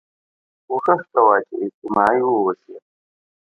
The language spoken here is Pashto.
کوښښ کوه چې اجتماعي واوسې